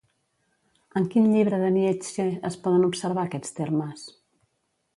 En quin llibre de Nietzsche es poden observar aquests termes?